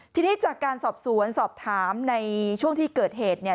ทีนี้จากการสอบสวนสอบถามในช่วงที่เกิดเหตุเนี่ย